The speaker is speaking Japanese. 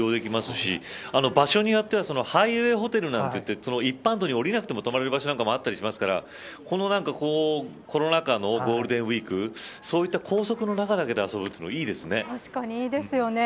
し場所によってはハイウェイホテルなんていって一般道に降りなくても泊まれる場所もあったりしますからコロナ禍のゴールデンウイークそういった高速の中だけで遊べるのはいいですね。